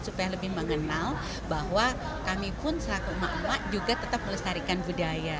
supaya lebih mengenal bahwa kami pun selaku emak emak juga tetap melestarikan budaya